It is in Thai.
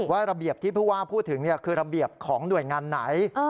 ระเบียบที่ผู้ว่าพูดถึงคือระเบียบของหน่วยงานไหน